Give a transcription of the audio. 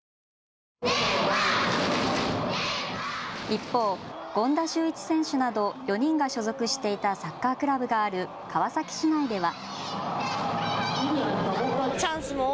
一方、権田修一選手など４人が所属していたサッカークラブがある川崎市内では。